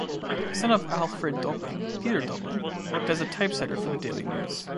A son of Alfred Döblin, Peter Döblin, worked as a typesetter for the "Daily News".